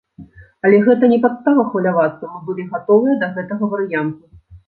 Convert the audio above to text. Але гэта не падстава хвалявацца, мы былі гатовыя да гэтага варыянту.